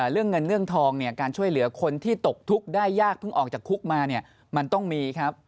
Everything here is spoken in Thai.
เรื่องเงินเรื่องทองเนี่ยการช่วยเหลือคนที่ตกทุกข์ได้ยากเพิ่งออกจากคุกมาเนี่ยมันต้องมีครับ